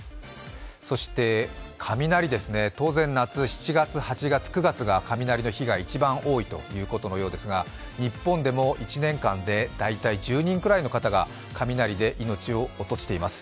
そして雷ですね、当然、夏、７月、８月、９月が雷の被害が一番多いということのようですが、日本でも１年間で大体１０人ぐらいの方が、雷で命を落としています。